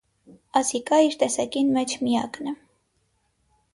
Ասիկայ իր տեսակին մէջ միակն է։